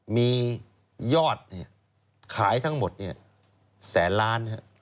มียอดขายทั้งหมดเนี่ยแสนล้านครับ